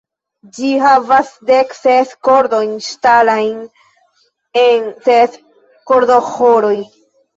Ĝi havas dekses kordojn ŝtalajn en ses kordoĥoroj.